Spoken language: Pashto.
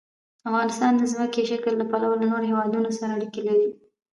افغانستان د ځمکنی شکل له پلوه له نورو هېوادونو سره اړیکې لري.